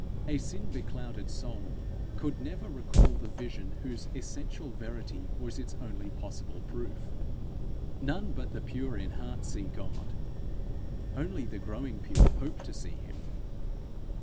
A sin beclouded soul could never recall the vision whose essential verity was its only possible proof. None but the pure in heart see God; only the growing pure hope to see him.